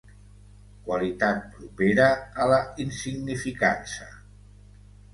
Qualitat propera a la insignificança.